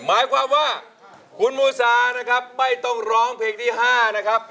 หมายความว่าคุณมูซานะครับไม่ต้องร้องเพลงที่๕นะครับ